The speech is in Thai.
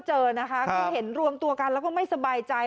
เขาเห็นรวมตัวกันแล้วก็ไม่สบายใจ